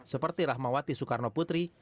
seperti rahmawati soekarno putri